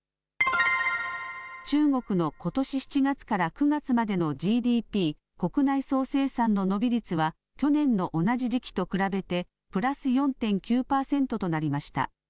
中国のことし７月から９月までのＧＤＰ・国内総生産の伸び率は、去年の同じ時期と比べて、プラス４．９％となりました。